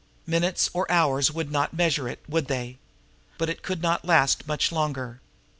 Minutes or hours would not measure it, would they? But it could not last much longer!